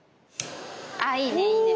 あいいねいいね。